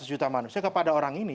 dua ratus juta manusia kepada orang ini